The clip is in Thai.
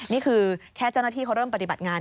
นี่คือแค่เจ้าหน้าที่เขาเริ่มปฏิบัติงาน